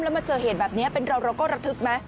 แล้วมาเจอเหตุแบบนี้เป็นเราเราก็ระทึกไหม